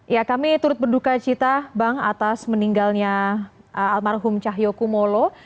ya kami turut berduka cita bang atas meninggalnya almarhum cahyokumolo